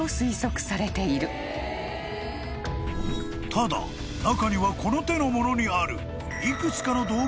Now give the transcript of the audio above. ［ただ中にはこの手のものにある］